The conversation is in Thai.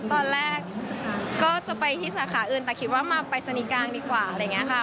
ตอนแรกก็จะไปที่สาขาอื่นแต่คิดว่ามาปรายศนีย์กลางดีกว่าอะไรอย่างนี้ค่ะ